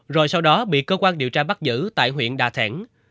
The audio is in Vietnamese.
rồi sau đó bị cơ quan điều tra bắt giữ tại huyện đà thẻn